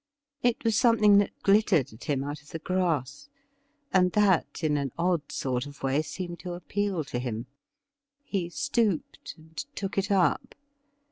It was something that glittered at him out of the grass, and that in an odd sort of way seemed to appeal to him. He stooped and took it up.